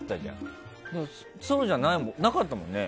でも、そうじゃなかったもんね。